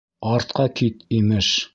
Артҡа кит, имеш.